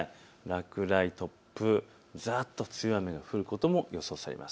落雷、突風、ざーっと強い雨が降ることも予想されます。